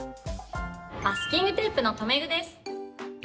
マスキングテープの留め具です。